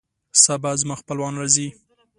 سبا زما خپلوان راځي